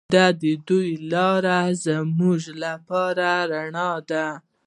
د دوی لاره زموږ لپاره رڼا ده.